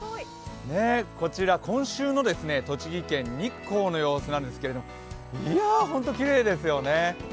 こちら今週の栃木県日光の様子なんですがいや、ホントきれいですよね。